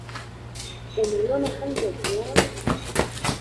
Unaiona henbegi yangu?